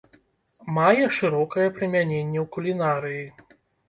Мае шырокае прымяненне ў кулінарыі.